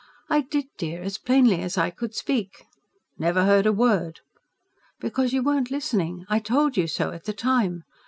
"I did, dear. As plainly as I could speak." "Never heard a word!" "Because you weren't listening. I told you so at the time.